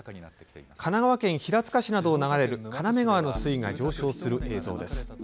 神奈川県平塚市などを流れる金目川の水位が上昇する映像です。